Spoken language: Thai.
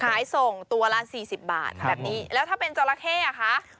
ขายส่งตัวละ๔๐บาทแบบนี้แล้วถ้าเป็นจราเข้อ่ะคะ